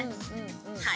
はい。